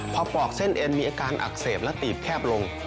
พอปอกเส้นเอ็นมีอาการอักเสบและตีบแคบลง